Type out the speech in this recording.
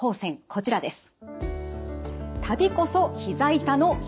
こちらです。